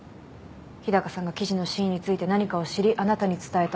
日高さんが記事の真意について何かを知りあなたに伝えた。